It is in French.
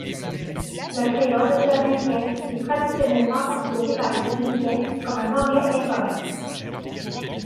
Le créole jamaïcain est traditionnellement considéré par les Jamaïcains comme un anglais incorrect.